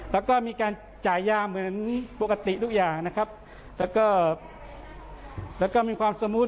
แล้วก็มีการจ่ายยาเหมือนปกติทุกอย่างนะครับแล้วก็แล้วก็มีความสมูท